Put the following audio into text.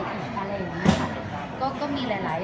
จริงทุกปีเนี่ย